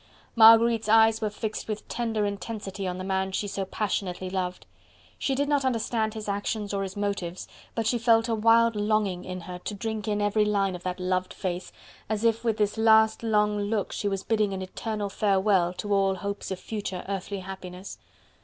Marguerite's eyes were fixed with tender intensity on the man she so passionately loved. She did not understand his actions or his motives, but she felt a wild longing in her, to drink in every line of that loved face, as if with this last, long look she was bidding an eternal farewell to all hopes of future earthly happiness.